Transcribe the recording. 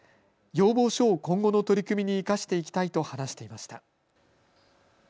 要望書を今後の取り組みに生かしていきたいと話していました。